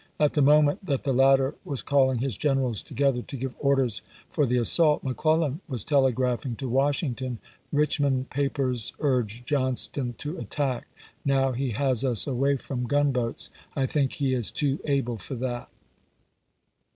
At the moment that the latter was calling his generals to gether to give orders for the assault, McClellan was telegraphing to "Washington: "Richmond papers urge Johnston to attack, now he has us away from vSxi., • T Part III gunboats. I think he is too able for that."